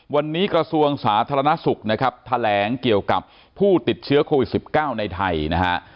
วันนี้กระทรวงสาธารณสุขนะครับแถลงเกี่ยวกับผู้ติดเชื้อโควิด๑๙ในไทยนะฮะ